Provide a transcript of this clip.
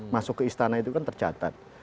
masuk ke istana itu kan tercatat